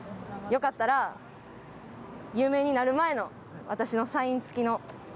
よかったら有名になる前の私のサイン付きの。